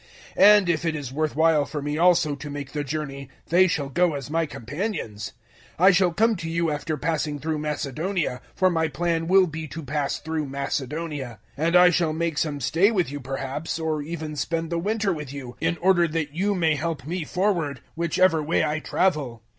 016:004 And if it is worth while for me also to make the journey, they shall go as my companions. 016:005 I shall come to you after passing through Macedonia; for my plan will be to pass through Macedonia; 016:006 and I shall make some stay with you perhaps, or even spend the winter with you, in order that you may help me forward, whichever way I travel.